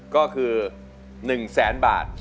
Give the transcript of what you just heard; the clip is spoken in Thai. ก็คือ๑๐๐๐๐๐บาท